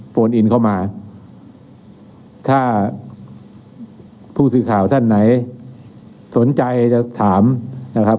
โอนอินเข้ามาถ้าผู้สื่อข่าวท่านไหนสนใจจะถามนะครับ